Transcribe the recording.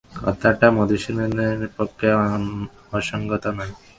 কথাটা মধুসূদনের পক্ষে অসংগত নয়।